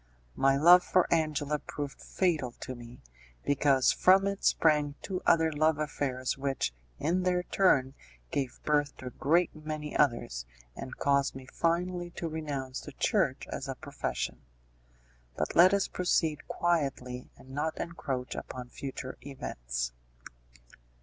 My love for Angela proved fatal to me, because from it sprang two other love affairs which, in their turn, gave birth to a great many others, and caused me finally to renounce the Church as a profession. But let us proceed quietly, and not encroach upon future events.